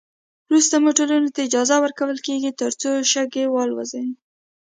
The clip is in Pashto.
وروسته موټرو ته اجازه ورکول کیږي ترڅو شګې والوزوي